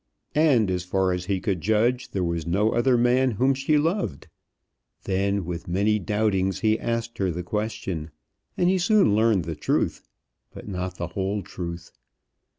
And, as far as he could judge, there was no other man whom she loved. Then, with many doubtings, he asked her the question, and he soon learned the truth, but not the whole truth.